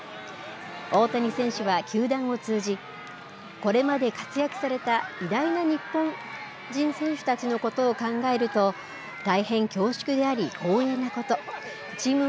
大谷選手は球団を通じ、これまで活躍された偉大な日本人選手たちのことを考えると、大変恐縮であり、光栄なこと。